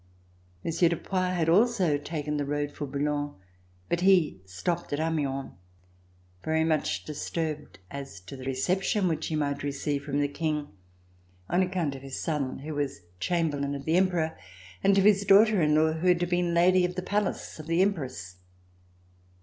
Monsieur de Poix had also taken the road for Boulogne, but he stopped at Amiens, very much disturbed as to the reception which he might receive C388] THE RETURN OF THE KING from the King, on account of his son who was Chamberlain of the Emperor, and of his daughter in law who had been Lady of the Palace of the Empress.